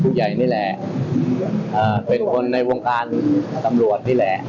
ผู้ใหญ่นี่แหละเป็นคนในมุมการตำรวจนี่แหละ